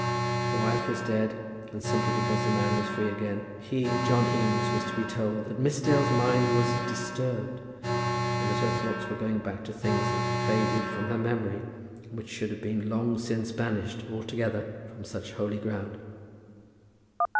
The wife was dead, and simply because the man was free again, he, John Eames, was to be told that Miss Dale's mind was "disturbed," and that her thoughts were going back to things which had faded from her memory, and which should have been long since banished altogether from such holy ground.